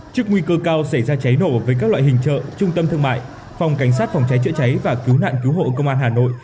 trước nguy cơ cao xảy ra cháy nổ với các loại hình chợ trung tâm thương mại phòng cảnh sát phòng cháy chữa cháy và cứu nạn cứu hộ công an hà nội